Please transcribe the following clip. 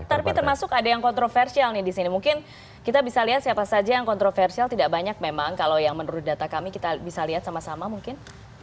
tapi termasuk ada yang kontroversial nih di sini mungkin kita bisa lihat siapa saja yang kontroversial tidak banyak memang kalau yang menurut data kami kita bisa lihat sama sama mungkin